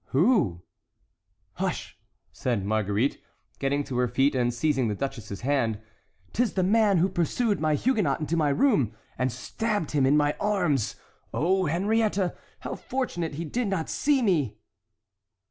"Who?" "Hush," said Marguerite, getting to her feet and seizing the duchess's hand; "'tis the man who pursued my Huguenot into my room, and stabbed him in my arms! Oh, Henriette, how fortunate he did not see me!"